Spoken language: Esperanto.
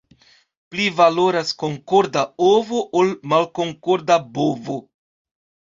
Pli valoras konkorda ovo, ol malkonkorda bovo.